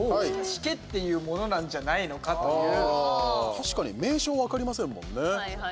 確かに名称分かりませんもんね。